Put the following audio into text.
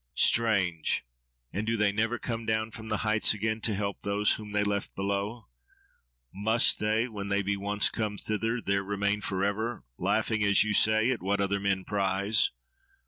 —Strange! And do they never come down again from the heights to help those whom they left below? Must they, when they be once come thither, there remain for ever, laughing, as you say, at what other men prize?